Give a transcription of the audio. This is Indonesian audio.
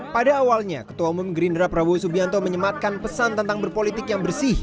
pada awalnya ketua umum gerindra prabowo subianto menyematkan pesan tentang berpolitik yang bersih